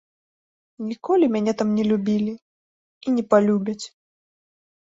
Ніколі мяне там не любілі і не палюбяць.